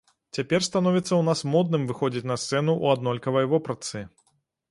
Цяпер становіцца ў нас модным выходзіць на сцэну ў аднолькавай вопратцы.